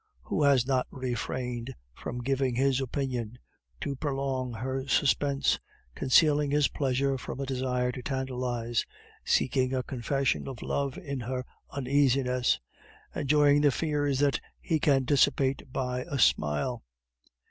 Who has not refrained from giving his opinion, to prolong her suspense, concealing his pleasure from a desire to tantalize, seeking a confession of love in her uneasiness, enjoying the fears that he can dissipate by a smile?